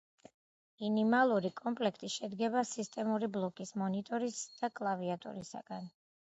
ინიმალური კომპლექტი შედგება სისტემური ბლოკის, მონიტორის და კლავიატურისგან.